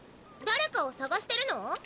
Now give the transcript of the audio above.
誰かをさがしてるの？